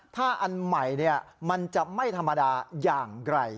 ท่ามัยจะไม่ธรรมดายังไกล